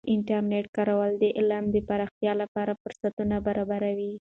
د انټرنیټ کارول د علم د پراختیا لپاره فرصتونه برابروي.